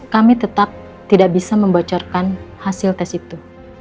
kami tetap tidak bisa membocorkan hasil tes itu